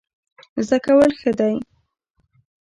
زده کول ښه دی.